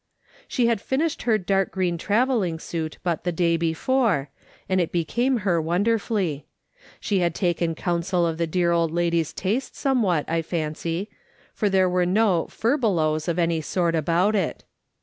She had finished her dark green travelling suit but the day before, and it became her wonderfully ; she had taken counsel of the dear old lady's taste somewhat, I fancy, for there were no " furbelows" of any sort about it.